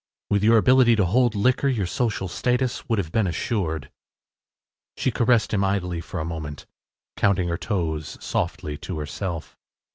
With your ability to hold liquor, your social success would have been assured.” She caressed him idly for a moment, counting her toes softly to herself.